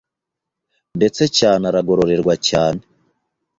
ndetse cyane aragororerwa cyane